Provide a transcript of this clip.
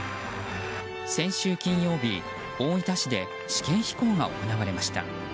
先週金曜日、大分市で試験飛行が行われました。